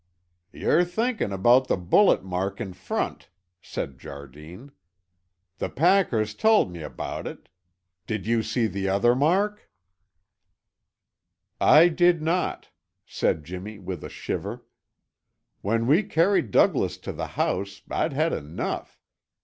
"Ye're thinking aboot the bullet mark in front," said Jardine. "The packers telt me aboot it. Did ye see the other mark?" "I did not," said Jimmy with a shiver. "When we carried Douglas to the house I'd had enough.